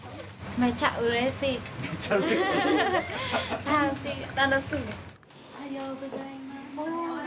おはようございます。